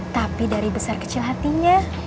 tapi dari besar kecil hatinya